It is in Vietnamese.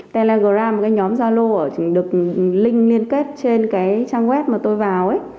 telegram cái nhóm zalo được link liên kết trên cái trang web mà tôi vào